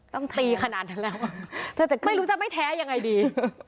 ต้องตีขนาดนั้นแล้วไม่รู้จะไม่แท้ยังไงดี